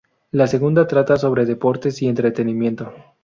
La segunda trata sobre deportes y entretenimiento.